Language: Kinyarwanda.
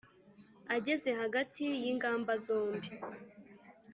ageze hagati y'ingamba zombi,